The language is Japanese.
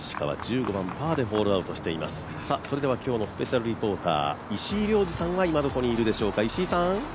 今日のスペシャルリポーター石井亮次さんは今、どこにいるでしょうか。